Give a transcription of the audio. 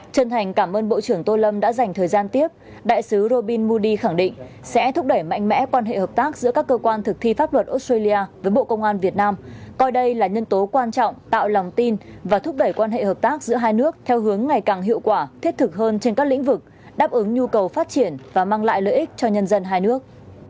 trân thành cảm ơn bộ trưởng tô lâm đã dành thời gian tiếp đại sứ robin moody khẳng định sẽ thúc đẩy mạnh mẽ quan hệ hợp tác giữa các cơ quan thực thi pháp luật australia với bộ công an việt nam coi đây là nhân tố quan trọng tạo lòng tin và thúc đẩy quan hệ hợp tác giữa hai nước theo hướng ngày càng hiệu quả thiết thực hơn trên các lĩnh vực đáp ứng nhu cầu phát triển và mang lại lợi ích cho nhân dân hai nước